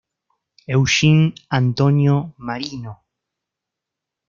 Eugene Antonio Marino.